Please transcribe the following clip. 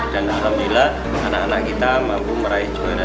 dan alhamdulillah anak anak kita mampu meraih juara dua